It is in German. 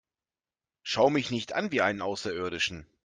Schau mich nicht an wie einen Außerirdischen!